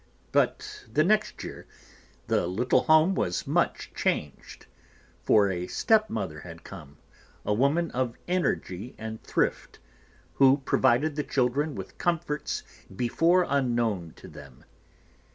But the next year the little home was much changed; for a stepmother had come, a woman of energy and thrift, who provided the children with comforts before unknown to them.